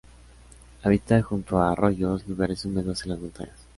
Habita junto a arroyos, lugares húmedos en las montañas.